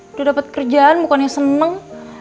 udah dapet kerjaan bukannya seneng